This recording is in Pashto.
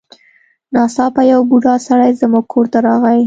ناڅاپه یو بوډا سړی زموږ کور ته راغی.